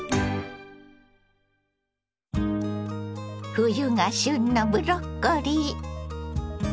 冬が旬のブロッコリー。